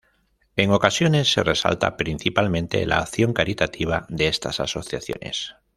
En ocasiones, se resalta principalmente la acción caritativa de estas asociaciones.